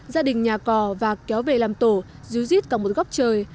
gia đình nhà cò và kéo về làm tổ díu dít cả một góc trời